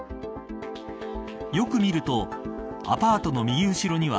よく見るとアパートの右後ろには